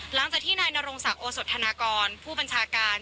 หลังจากที่นายนรงศักดิ์โอสธนากรผู้บัญชาการ